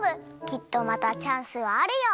きっとまたチャンスはあるよ。